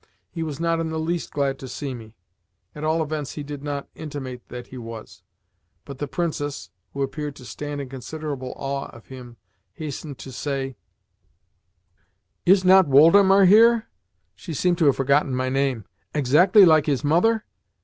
He was not in the least glad to see me at all events he did not intimate that he was; but the Princess (who appeared to stand in considerable awe of him) hastened to say: "Is not Woldemar here" (she seemed to have forgotten my name) "exactly like his mother?"